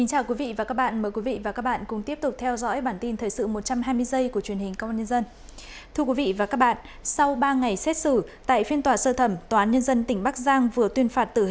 hãy đăng ký kênh để ủng hộ kênh của chúng mình nhé